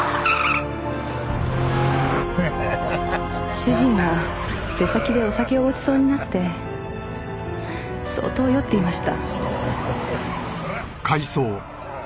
主人は出先でお酒をごちそうになって相当酔っていました。